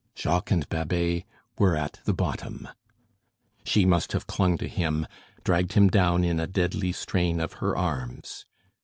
Jacques and Babet were at the bottom. She must have clung to him, dragged him down in a deadly strain of her arms.